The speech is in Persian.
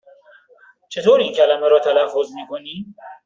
چطور این کلمه را تلفظ می کنی؟